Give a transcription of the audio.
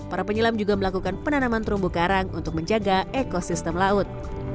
para penyelam juga melakukan penanaman terumbu karang untuk menjaga ekosistem laut